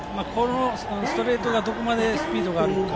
ストレートにどこまでスピードがあるか。